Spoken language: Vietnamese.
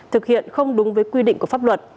thực hiện không đúng với quy định của pháp luật